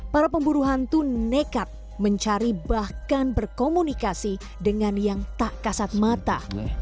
para pemburu hantu nekat mencari bahkan berkomunikasi dengan yang tak kasat mata